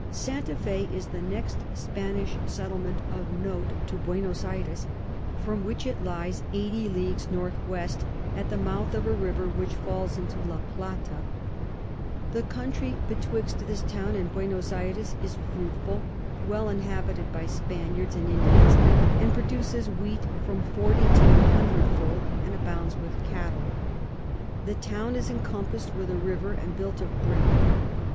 Santa Fe is the next Spanish Settlement of note to Buenos Ayres, from which it lies 80 Leagues N W. at the mouth of a River which falls into La Plata. The Country betwixt this Town and Buenos Ayres is fruitful, well inhabited by Spaniards and Indians, and produces Wheat from forty to an hundred fold, and abounds with Cattel. The Town is encompass'd with a River, and built of Brick.